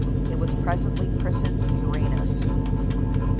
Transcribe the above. It was presently christened "Uranus."